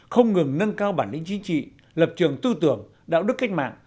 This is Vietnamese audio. không ngừng nâng cao bản lĩnh chính trị lập trường tư tưởng đạo đức cách mạng